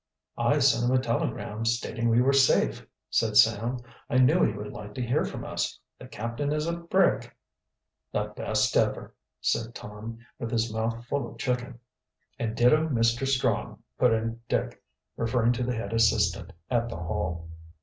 "I sent him a telegram, stating we were safe," said Sam. "I knew he would like to hear from us. The captain is a brick." "The best ever," said Tom, with his mouth full of chicken. "And ditto, Mr. Strong," put in Dick, referring to the head assistant at the Hall.